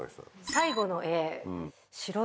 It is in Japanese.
最後の絵。